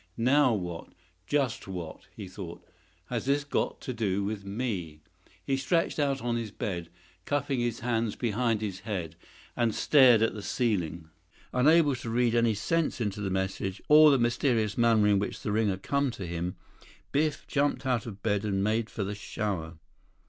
"Now what, just what," he thought, "has this got to do with me?" He stretched out on his bed, cupping his hands behind his head, and stared at the ceiling. Unable to read any sense into the message, or the mysterious manner in which the ring had come to him, Biff jumped out of bed and made for the shower.